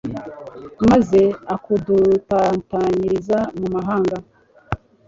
maze ukadutatanyiriza mu mahanga